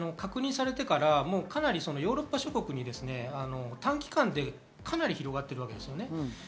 確認されてからヨーロッパ諸国に短期間でかなり広がっているわけです。